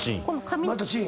また「チン」！